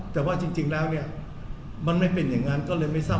แต่ว่าจริงแล้วเนี่ยมันไม่เป็นอย่างนั้นก็เลยไม่ทราบ